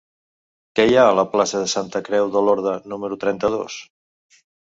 Què hi ha a la plaça de Santa Creu d'Olorda número trenta-dos?